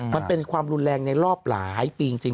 มันเป็นความรุนแรงในรอบหลายปีจริง